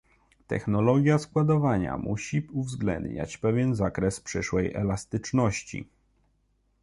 Technologia składowania musi uwzględniać pewien zakres przyszłej elastyczności